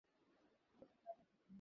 বর্তমানে তিনি স্লোভেনিয়ায় বসবাস করছেন।